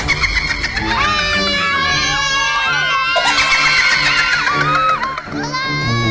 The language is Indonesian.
udah tau siapa lu sebenarnya